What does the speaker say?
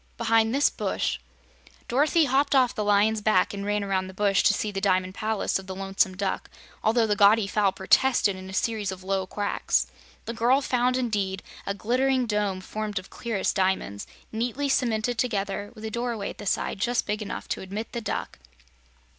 "Behind this bush." Dorothy hopped off the lion's back and ran around the bush to see the Diamond Palace of the Lonesome Duck, although the gaudy fowl protested in a series of low quacks. The girl found, indeed, a glistening dome formed of clearest diamonds, neatly cemented together, with a doorway at the side just big enough to admit the duck.